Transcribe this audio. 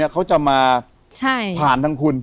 เขาจะมาผ่านทางคุณ